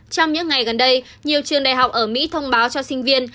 trong những ngày gần đây nhiều trường đại học ở mỹ thông báo cho sinh viên